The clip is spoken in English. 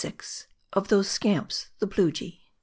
OF THOSE SCAMPS THE PLUJII.